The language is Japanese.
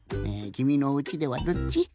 きみのおうちではどっち？